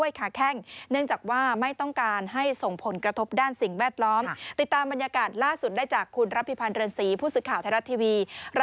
จังหวัดนครสวรรค์เชิญค่ะ